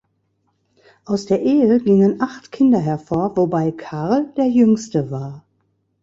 Aus der Ehe gingen acht Kinder hervor, wobei Karl der jüngste war.